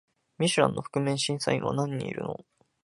ミシュランの覆面調査員は何人いるの？